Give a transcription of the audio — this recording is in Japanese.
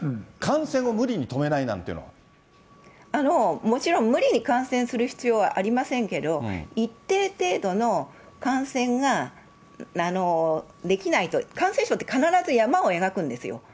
感染を無理に止めないなんていうもちろん無理に感染する必要はありませんけど、一定程度の感染ができないと、感染症って必ず山を描くんですよ。